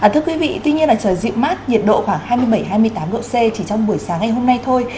thưa quý vị tuy nhiên là trời dịu mát nhiệt độ khoảng hai mươi bảy hai mươi tám độ c chỉ trong buổi sáng ngày hôm nay thôi